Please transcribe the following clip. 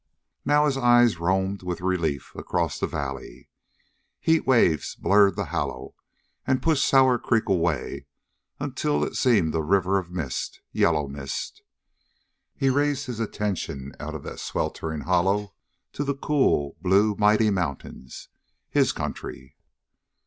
Now his eyes roamed with relief across the valley. Heat waves blurred the hollow and pushed Sour Creek away until it seemed a river of mist yellow mist. He raised his attention out of that sweltering hollow to the cool, blue, mighty mountains his country!